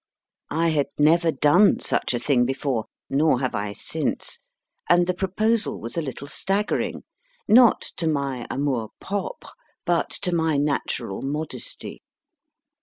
I had never done such a thing before, nor have I since, and the proposal was a little staggering, not to my amour propre, but to my natural modesty.